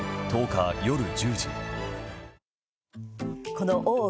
この「大奥」